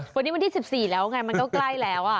วันนี้วันที่๑๔แล้วไงมันก็ใกล้แล้ว